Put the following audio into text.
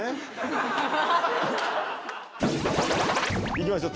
行きましょう。